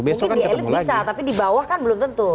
mungkin di elit bisa tapi di bawah kan belum tentu